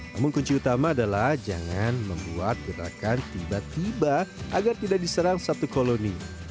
namun kunci utama adalah jangan membuat gerakan tiba tiba agar tidak diserang satu koloni